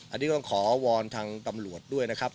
อันนี้ต้องขอวอนทางตำรวจด้วยนะครับ